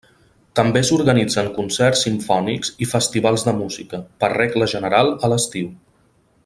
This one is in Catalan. També s'organitzen concerts simfònics i festivals de música, per regla general a l'estiu.